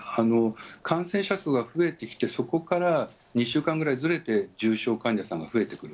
感染者数が増えてきて、そこから２週間ぐらいずれて重症患者さんが増えてくる。